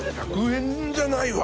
１００円じゃないわ。